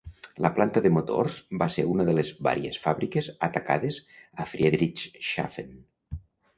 La planta de motors va ser una de les vàries fàbriques atacades a Friedrichshafen.